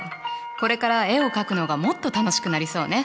これから絵を描くのがもっと楽しくなりそうね。